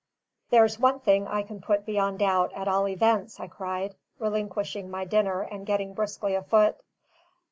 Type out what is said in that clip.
"There's one thing I can put beyond doubt, at all events," I cried, relinquishing my dinner and getting briskly afoot.